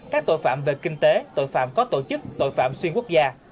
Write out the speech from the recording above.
các tội phạm về kinh tế tội phạm có tổ chức tội phạm xuyên quốc gia